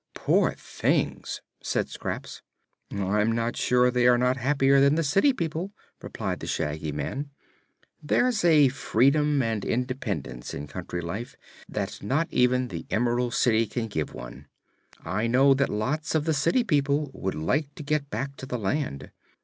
"Poor things!" said Scraps. "I'm not sure they are not happier than the city people," replied the Shaggy Man. "There's a freedom and independence in country life that not even the Emerald City can give one. I know that lots of the city people would like to get back to the land.